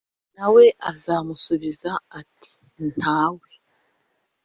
“Na we azamusubiza ati ‘Nta we